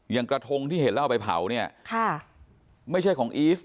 กระทงที่เห็นแล้วเอาไปเผาเนี่ยไม่ใช่ของอีฟ